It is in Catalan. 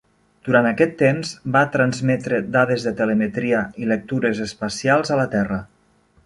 Durant aquest temps, va transmetre dades de telemetria i lectures espacials a la Terra.